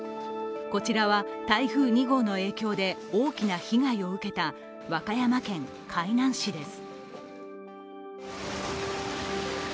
こちらは台風２号の影響で大きな被害を受けた和歌山県海南市です。